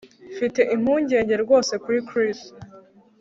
Mfite impungenge rwose kuri Chris